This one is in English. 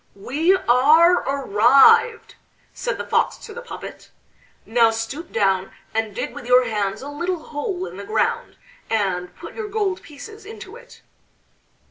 "We are arrived," said the Fox to the puppet. "Now stoop down and dig with your hands a little hole in the ground and put your gold pieces into it."